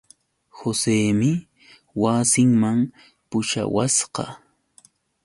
Joseemi wasinman pushawasqa.